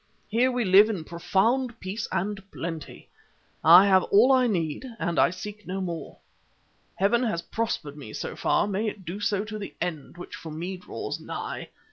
Here we live in profound peace and plenty. I have all I need, and I seek no more. Heaven has prospered me so far—may it do so to the end, which for me draws nigh.